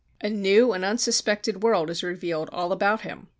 A new and unsuspected world is revealed all about him.